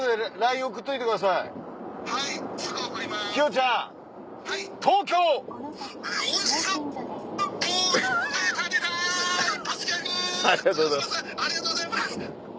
吉村さんありがとうございます！